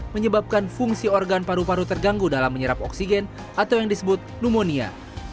menyebabkan fungsi organ paru paru terganggu dalam menyerap oksigen atau yang disebut pneumonia